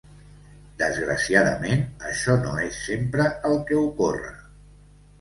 Desgraciadament, això no és sempre el que ocorre.